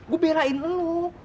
gua belain lo